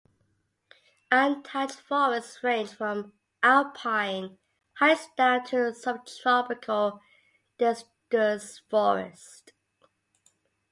Untouched forests range from alpine heights down to subtropical deciduous forests.